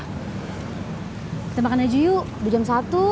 kita makan egy yuk udah jam satu